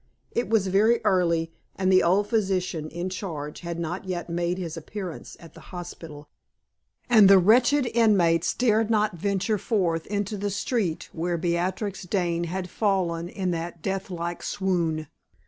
It was very early, and the old physician in charge had not yet made his appearance at the hospital, and the wretched inmates dared not venture forth into the street where Beatrix Dane had fallen in that death like swoon.